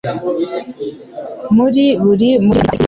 Muri buri mujyi muri Amerika hari isomero.